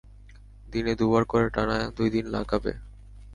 দিনে দুবার করে টানা দুই দিন লাগাবে।